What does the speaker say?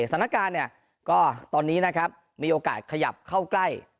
สถานการณ์เนี่ยก็ตอนนี้นะครับมีโอกาสขยับเข้าใกล้